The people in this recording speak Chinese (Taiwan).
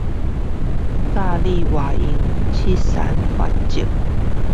教你活用七三法則